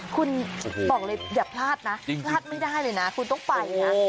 คุณบอกเลยอย่าพลาดนะพลาดไม่ได้เลยนะคุณต้องไปนะ